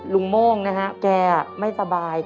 ลุงโม่งนะครับแก่ไม่ตะบาย